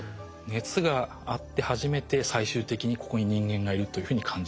熱があって初めて最終的にここに人間がいるというふうに感じるんですね。